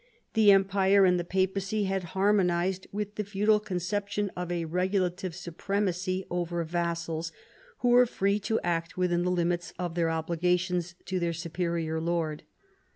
The Empire and the Papacy had harmonised with the feudal conception of a regulative supremacy over vassals who were free to act within the limits of their obligations to their superior lord.